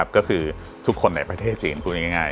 ก็คือทุกคนในประเทศจีนพูดง่าย